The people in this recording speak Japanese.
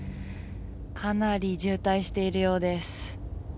かなり渋滞しているようです。